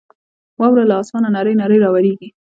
واوره له اسمانه نرۍ نرۍ راورېږي.